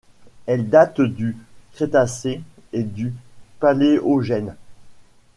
Elles datent du Crétacé et du Paléogène.